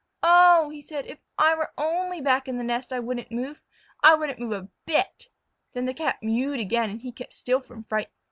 "Oh," he said, "if I were only back in the nest I wouldn't move. I wouldn't move a bit." Then the Cat mewed again and he kept still from fright.